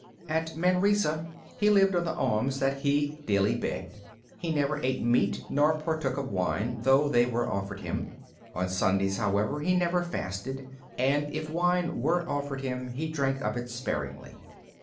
At Manresa he lived on the alms that he daily begged. He never ate meat nor partook of wine, though they were offered him. On Sundays, however, he never fasted, and if wine were offered him, he drank of it sparingly.